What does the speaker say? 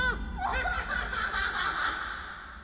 ハハハハ。